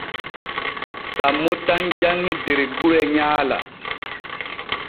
Sammo tan janŋi der gure nyaala.